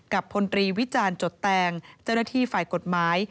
พลตรีวิจารณ์จดแตงเจ้าหน้าที่ฝ่ายกฎหมาย